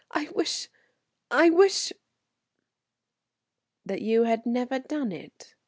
I wish I wish " "That you had never done it?"